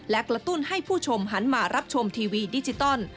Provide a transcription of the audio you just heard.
และกระตุ้นให้ผู้ชมหันมารับชมทีวีดิจิตอล